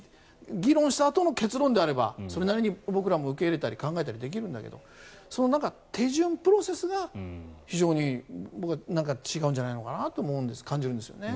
議論したあとの結論であればそれなりに僕らも受け入れたり考えたりできるんだけど手順、プロセスが非常に僕は違うんじゃないのかなと感じるんです。